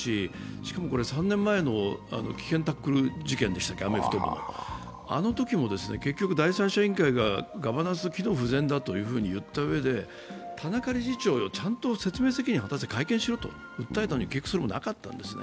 しかもこれ、３年前のアメフト部の危険タックル事件でしたっけ、あのときも結局第三者委員会がガバナンス機能不全だと言ったうえで田中理事長よ、ちゃんと説明責任を果たして会見しろといったのに結局それもなかったんですね。